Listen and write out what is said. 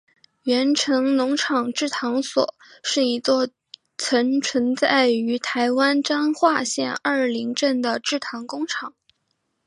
源成农场制糖所是一座曾存在于台湾彰化县二林镇的制糖工厂。